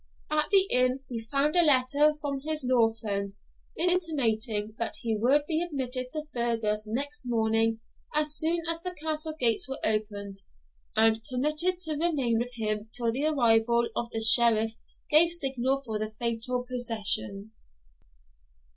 At the inn he found a letter from his law friend intimating that he would be admitted to Fergus next morning as soon as the Castle gates were opened, and permitted to remain with him till the arrival of the Sheriff gave signal for the fatal procession.